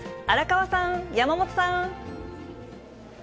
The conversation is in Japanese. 荒川さん、山本さん。